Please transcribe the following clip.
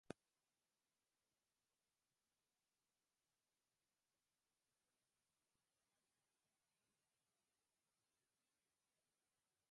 Croacia y Hungría coordinan el desarrollo de la infraestructura, especialmente las rutas de transporte.